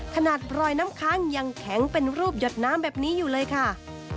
ขนาดรอยน้ำค้างยังแข็งเป็นรูปหยดน้ำแบบนี้อยู่เลยค่ะ